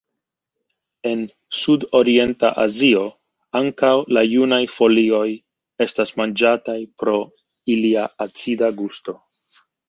En sudorienta Azio ankaŭ la junaj folioj estas manĝataj pro ilia acida gusto.